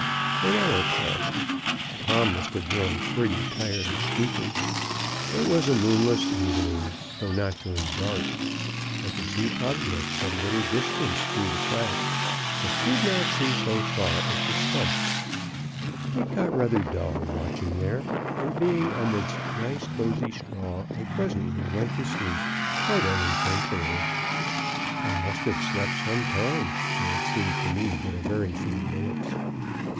An hour passed. Tom must have grown pretty tired of squeaking. It was a moonless evening, though not very dark. I could see objects at a little distance through the crack, but could not see so far as the stump. It got rather dull, watching there; and being amidst nice cozy straw, I presently went to sleep, quite unintentionally. I must have slept some time, though it seemed to me but a very few minutes.